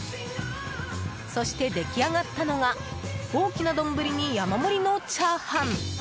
そして出来上がったのが大きな丼に山盛りのチャーハン。